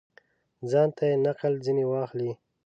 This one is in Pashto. ځانته یې نقل ځني واخلي.